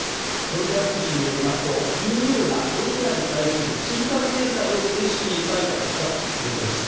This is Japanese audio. ロイター通信によりますとＥＵがロシアに対する追加制裁を正式に採択したということです。